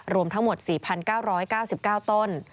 รวมทั้งหมด๔๙๙๙ต้น